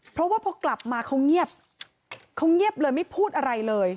เพราะว่าพอกลับมาเขาเงียบเขาเงียบเลยไม่พูดอะไรเลย